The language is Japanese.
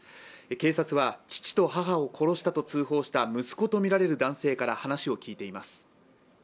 警察は、父と母を殺したと通報した息子とみられる男性から話を聞いています。